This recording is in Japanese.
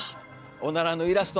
おならのイラスト？